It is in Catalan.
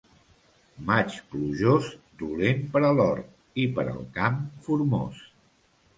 Maig plujós, dolent per a l'hort, i per al camp, formós.